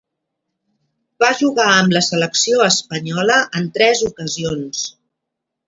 Va jugar amb la selecció espanyola en tres ocasions.